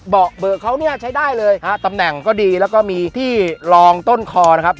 เบอร์เขาเนี่ยใช้ได้เลยฮะตำแหน่งก็ดีแล้วก็มีที่รองต้นคอนะครับ